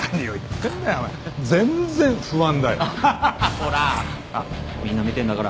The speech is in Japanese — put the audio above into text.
ほら。